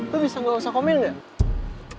lo bisa gak usah komen gak